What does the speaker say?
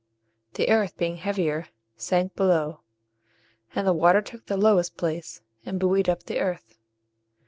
The earth, being heavier, sank below; and the water took the lowest place, and buoyed up the earth.